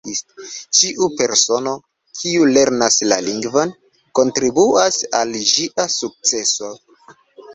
Ĉiu persono, kiu lernas la lingvon, kontribuas al ĝia sukceso.